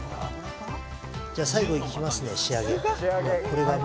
じゃあ最後いきますね仕上げ。